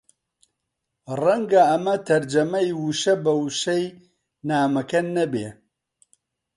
ڕەنگە ئەمە تەرجەمەی وشە بە وشەی نامەکە نەبێ